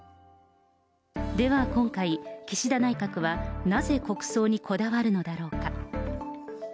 では今回、岸田内閣はなぜ国葬にこだわるのだろうか。